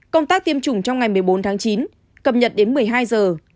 công tác tiêm chủng trong ngày một mươi bốn tháng chín cập nhật đến một mươi hai giờ